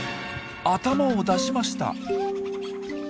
頭を出しました。